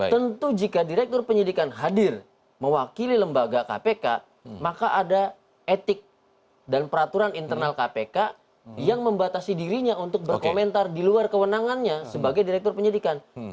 tentu jika direktur penyidikan hadir mewakili lembaga kpk maka ada etik dan peraturan internal kpk yang membatasi dirinya untuk berkomentar di luar kewenangannya sebagai direktur penyidikan